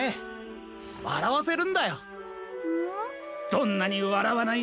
どんなにわらわない